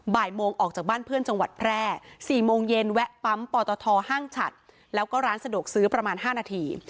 บ่ายโมงออกจากบ้านเพื่อนจังหวัดแพร่๔โมงเย็นแวะปั๊มปอตทห้างฉัดแล้วก็ร้านสะดวกซื้อประมาณ๕นาที